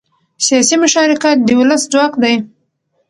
سیاسي مشارکت د ولس ځواک دی